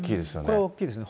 これは大きいですね。